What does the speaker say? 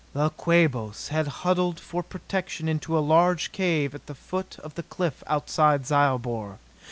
The Quabos had huddled for protection into a large cave at the foot of the cliff outside Zyobor.